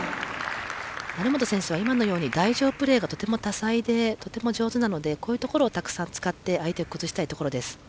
成本選手は台上プレーがとても多彩で、とても上手なのでこういうところをたくさん使って相手を崩したいところです。